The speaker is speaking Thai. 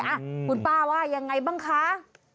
อ่ะคุณป้าว่ายังไงบ้างคะ